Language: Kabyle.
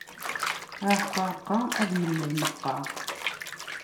Aɛeqqa, aɛeqqa, ad yemmed meqqa.